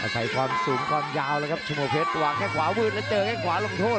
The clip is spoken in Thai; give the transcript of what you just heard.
ใส่ความสูงความยาวชมพระเพชรวางแค่ขวาวืดและเจอแค่ขวาลงโทษ